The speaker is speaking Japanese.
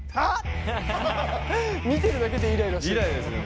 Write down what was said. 見てるだけでイライラする。